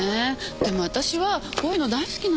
でも私はこういうの大好きなんです。